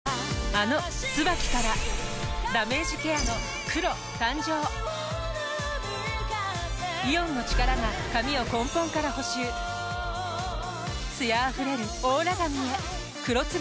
あの「ＴＳＵＢＡＫＩ」からダメージケアの黒誕生イオンの力が髪を根本から補修艶あふれるオーラ髪へ「黒ＴＳＵＢＡＫＩ」